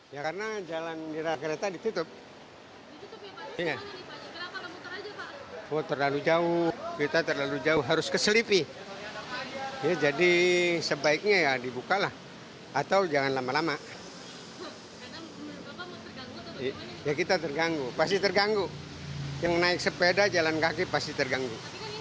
ya kita terganggu pasti terganggu yang naik sepeda jalan kaki pasti terganggu